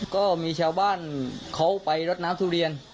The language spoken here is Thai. ก็มีชาวบ้านเขาไปรดน้ำทุเรียน